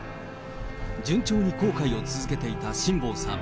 順調に航海を続けていた辛坊さん。